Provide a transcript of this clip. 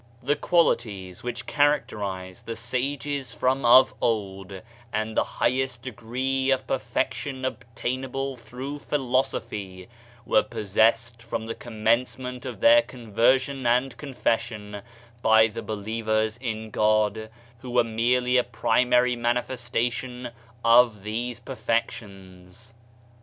The qualities which characterize the sages from of old and the highest degree of perfection obtainable through philosophy were possessed from the com mencement of their conversion and confession by the believers in God who were merely a primary manifestation of these perfections.